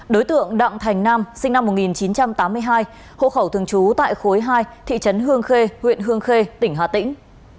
đối tượng đặng thành nam sinh năm một nghìn chín trăm tám mươi hai hộ khẩu thường trú tại khối hai thị trấn hương khê huyện hương khê tỉnh hà tĩnh